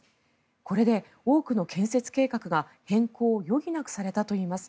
これで多くの建設計画が変更を余儀なくされたといいます。